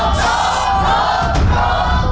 ถูก